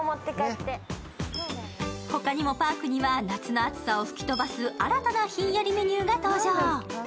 他にもパークには夏の暑さを吹き飛ばす新たなひんやりメニューが登場。